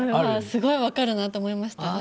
すごい分かるなと思いました。